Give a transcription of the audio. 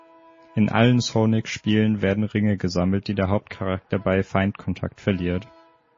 In allen Sonic-Spielen werden Ringe gesammelt, die der Hauptcharakter bei Feindkontakt verliert.